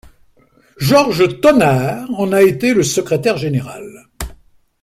Georges Thonar en a été le secrétaire général.